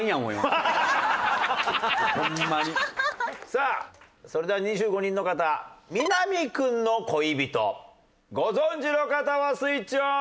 さあそれでは２５人の方南くんの恋人ご存じの方はスイッチオン。